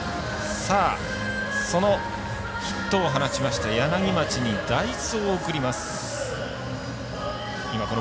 そのヒットを放ちました柳町に代走を送ります。